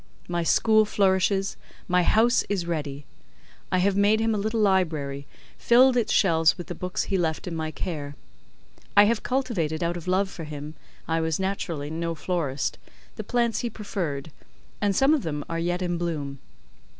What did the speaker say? My school flourishes, my house is ready: I have made him a little library, filled its shelves with the books he left in my care: I have cultivated out of love for him (I was naturally no florist) the plants he preferred, and some of them are yet in bloom.